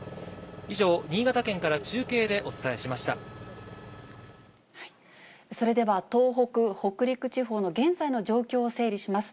以上、新潟県から中継でお伝えしそれでは東北、北陸地方の現在の状況を整理します。